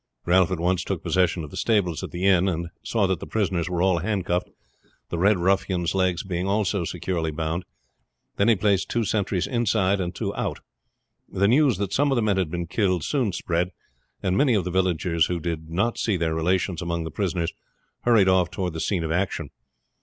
Ralph at once took possession of the stables at the inn, and saw that the prisoners were all handcuffed, the Red ruffian's legs being also securely bound. Then he placed two sentries inside and two out. The news that some of the men had been killed soon spread, and many of the villagers who did not see their relations among the prisoners hurried off toward the scene of action.